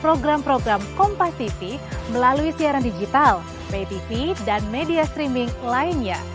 program program kompas tv melalui siaran digital btv dan media streaming lainnya